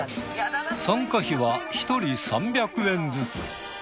参加費は１人３００円ずつ。